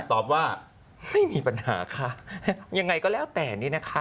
ตอบว่าไม่มีปัญหาค่ะยังไงก็แล้วแต่นี่นะคะ